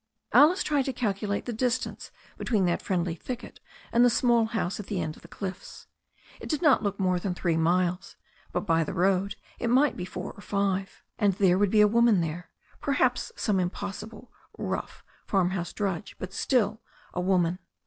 Alice tried to calculate the distance between that friendly thicket and the small house at the end of the cliffs. It did not look more than three miles, but by road it might be four or five. And there would be a woman there, perhaps some impossible, rough, farm house drudge, but still, a woman.